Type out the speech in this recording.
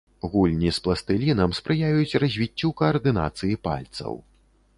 Гульні з пластылінам спрыяюць развіццю каардынацыі пальцаў.